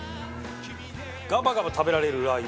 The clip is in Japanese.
ガバガバ食べられるラー油。